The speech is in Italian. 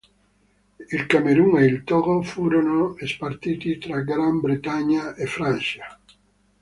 Il Camerun e il Togo furono spartiti tra Gran Bretagna e Francia.